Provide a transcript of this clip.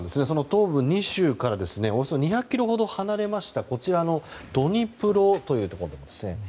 東部２州からおよそ２００ｋｍほど離れましたドニプロというところですね。